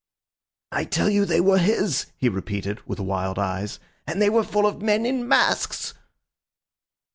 "I tell you they were his," he repeated, with wild eyes, "and they were full of men in masks!"